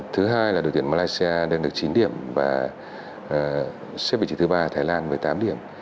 thứ hai là đội tuyển malaysia đang được chín điểm và xếp vị trí thứ ba thái lan với tám điểm